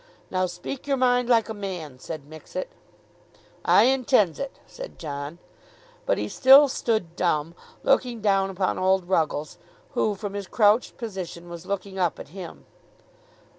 "Now speak your mind, like a man," said Mixet. "I intends it," said John. But he still stood dumb, looking down upon old Ruggles, who from his crouched position was looking up at him.